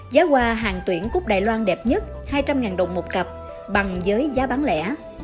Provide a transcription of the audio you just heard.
giá hoa hàng tuyển cúp đài loan đẹp nhất hai trăm linh đồng một cặp bằng giới giá bán lẻ